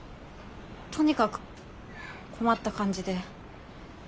とにかく困った感じで。